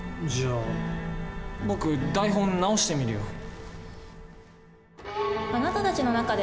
じゃあ僕台本直してみるよ。